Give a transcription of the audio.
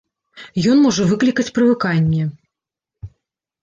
Ён можа выклікаць прывыканне.